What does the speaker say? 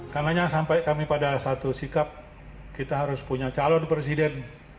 karena sampai kami pada satu sikap kita harus punya calon presiden